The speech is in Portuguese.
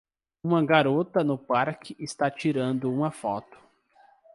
Uma garota no parque está tirando uma foto.